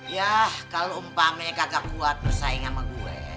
yah kalo umpame kagak kuat tuh saing sama gue